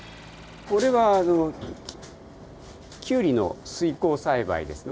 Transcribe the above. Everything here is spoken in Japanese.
これはキュウリの水耕栽培です。